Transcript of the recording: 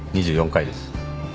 ２４回です。